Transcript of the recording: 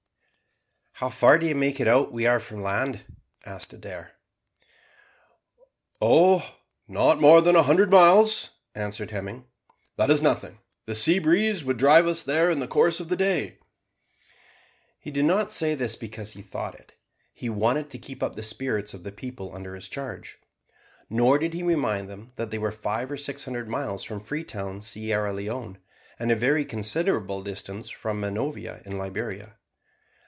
"How far do you make it out we are from the land?" asked Adair. "Oh, not more than a hundred miles," answered Hemming. "That is nothing. The sea breeze would drive us in there in the course of the day." He did not say this because he thought it; he wanted to keep up the spirits of the people under his charge. Nor did he remind them that they were five or six hundred miles from Freetown, Sierra Leone, and a very considerable distance from Manovia in Liberia.